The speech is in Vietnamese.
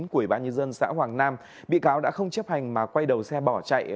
của bà nhân dân xã hoàng nam bị cáo đã không chấp hành mà quay đầu xe bỏ chạy